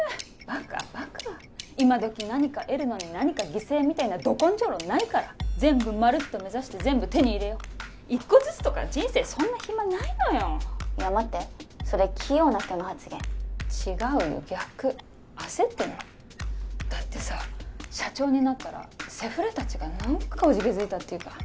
バカバカ今どき何か得るのに何か犠牲みたいなド根性論ないから全部まるっと目指して全部手に入れよう一個ずつとか人生そんな暇ないのよいや待ってそれ器用な人の発言違うよ逆焦ってんのだってさ社長になったらセフレ達が何かおじけづいたっていうか